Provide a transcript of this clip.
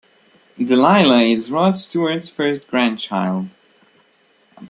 Delilah is Rod Stewart's first grandchild.